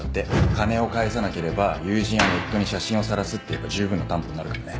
「金を返せなければ友人やネットに写真をさらす」って言えば十分な担保になるからね。